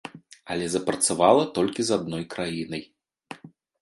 Але запрацавала толькі з адной краінай.